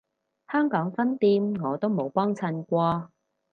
香港分店我都冇幫襯過